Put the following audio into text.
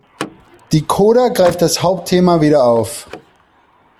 Die Coda greift das Hauptthema wieder auf.